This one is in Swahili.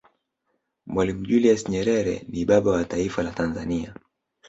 mwalimu julius nyerere ni baba was taifa la tanzania